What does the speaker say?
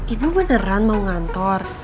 ibu beneran mau ngantor